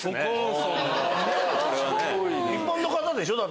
一般の方でしょ？